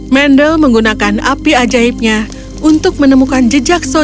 mendel menggunakan api ajaibnya untuk menemukan jejak social